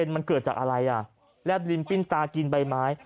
มันเกิดจากอะไรอ่ะแลบลิ้นปิ้นตากินใบไม้